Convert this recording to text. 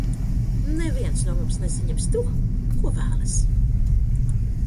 Neviens no mums nesaņems to, ko vēlas!